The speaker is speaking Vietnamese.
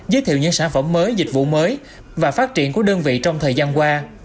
giới thiệu những sản phẩm mới dịch vụ mới và phát triển của đơn vị trong thời gian qua